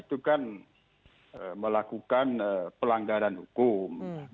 itu kan melakukan pelanggaran hukum